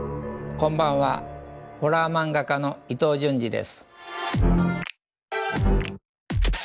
こんばんはホラー漫画家の伊藤潤二です。